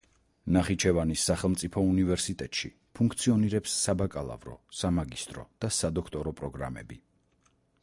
ნახიჩევანის სახელმწიფო უნივერსიტეტში ფუნქციონირებს საბაკალავრო, სამაგისტრო და სადოქტორო პროგრამები.